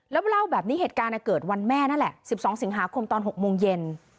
แล้วเล่าแบบนี้เหตุการณ์เกิดวันแม่นั่นแหละ๑๒สิงหาคมตอน๖โมงเย็น